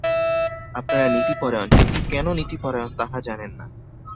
আপনারা নীতিপরায়ণ, কিন্তু কেন নীতিপরায়ণ, তাহা জানেন না।